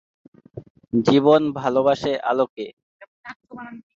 জীবন ভালোবাসে আলোকে।